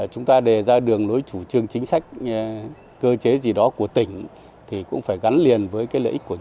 chúng ta đề ra đường lối chủ trương chính sách cơ chế gì đó của tỉnh thì cũng phải gắn liền với lợi ích của tỉnh